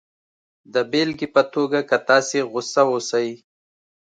د بېلګې په توګه که تاسې غسه اوسئ